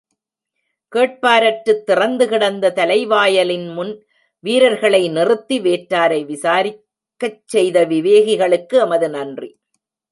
கேட்பாரற்று திறந்து கிடந்த தலைவாயலின் முன் வீரர்களை நிறுத்தி வேற்றாரை விசாரிக்கச் செய்த விவேகிகளுக்கு எமது நன்றி.